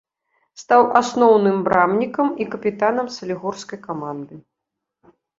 Стаў асноўным брамнікам і капітанам салігорскай каманды.